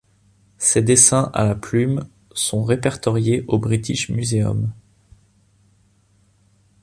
Ses dessins à la plume sont répertoriés au British Museum.